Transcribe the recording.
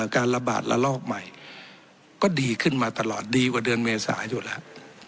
การระบาดระลอกใหม่ก็ดีขึ้นมาตลอดดีกว่าเดือนเมษาอยู่แล้ว